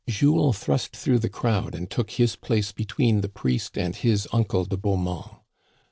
Jules thrust through the crowd and took his place between the priest and his uncle de Beaumont.